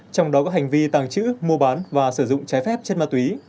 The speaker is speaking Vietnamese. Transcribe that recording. trong đó có hành vi tàng trữ mua bán và sử dụng trái phép chất ma túy